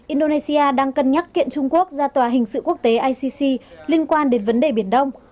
indonesia đang cân nhắc kiện trung quốc ra tòa hình sự quốc tế icc liên quan đến vấn đề biển đông